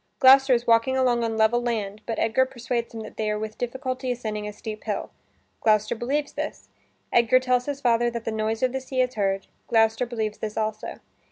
Gloucester is walking along on level land but Edgar persuades him that they are with difficulty ascending a steep hill. Gloucester believes this. Edgar tells his father that the noise of the sea is heard; Gloucester believes this also.